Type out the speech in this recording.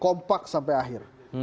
kompak sampai akhir